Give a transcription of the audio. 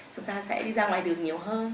chúng ta sẽ đi ra ngoài đường nhiều hơn